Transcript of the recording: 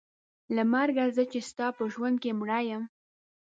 له مرګه زه چې ستا په ژوند کې مړه یم.